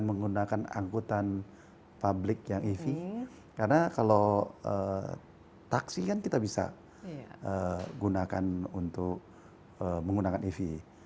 menggunakan angkutan publik yang ev karena kalau taksi kan kita bisa gunakan untuk menggunakan ev